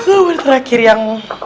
soal terakhir yang